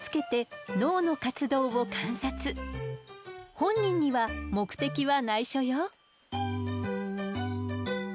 本人には目的はないしょよ。